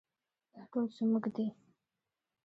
دا ټول زموږ دي